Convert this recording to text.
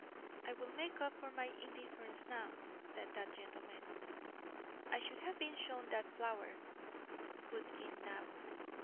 "I will make up for my indifference now," said that gentleman. "I should have been shown that flower," put in Knapp.